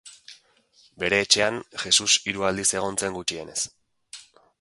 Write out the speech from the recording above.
Bere etxean, Jesus hiru aldiz egon zen gutxienez.